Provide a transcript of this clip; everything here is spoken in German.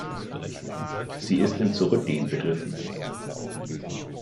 Sie ist im Zurückgehen begriffen.